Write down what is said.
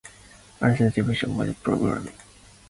Another development was polygamy.